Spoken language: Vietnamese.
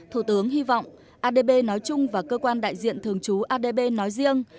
thủ tướng hy vọng adb nói chung và cơ quan đại diện thường trú adb nói riêng